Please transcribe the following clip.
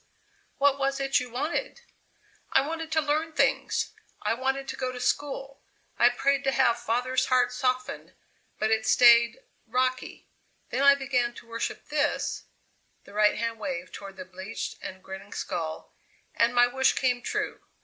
"What was it you wanted?" "I wanted to learn things! I wanted to go to school. I prayed to have father's heart softened, but it stayed rocky. Then I began to worship this" the right hand waved toward the bleached and grinning skull "and my wish came true.